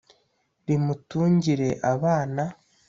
rimutungire abana